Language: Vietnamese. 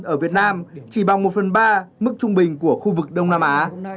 ở việt nam chỉ bằng một phần ba mức trung bình của khu vực đông nam á